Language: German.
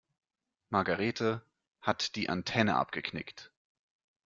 Margarethe hat die Antenne abgeknickt.